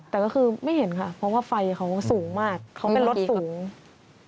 แต่ก็คือไม่เห็นค่ะเพราะว่าไฟเขาสูงมากเขาเป็นรถสูง